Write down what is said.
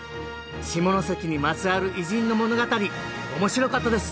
下関にまつわる偉人の物語面白かったです